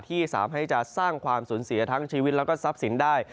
ที่สามารถให้สร้างความสูญเสียทางชีวิตและซับสินด้วย